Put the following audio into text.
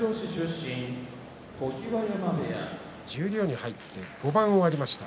十両に入って５番、終わりました。